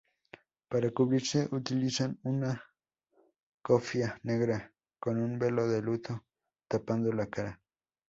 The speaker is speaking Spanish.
Para cubrirse utilizan una cofia negra, con un velo de luto, tapando la cara.